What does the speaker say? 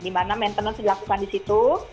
di mana maintenance dilakukan di situ